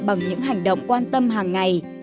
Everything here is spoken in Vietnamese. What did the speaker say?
bằng những hành động quan tâm hàng ngày